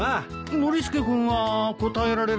ノリスケ君は答えられるのかい？